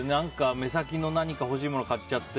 目先の何か欲しいものを買っちゃって。